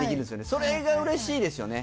それがうれしいですよね。